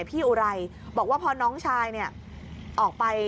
อุไรบอกว่าพอน้องชายออกไป